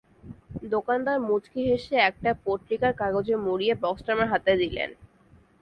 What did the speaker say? দোকানদার মুচকি হেসে একটা পত্রিকার কাগজে মুড়িয়ে বক্সটা আমার হাতে দিলেন।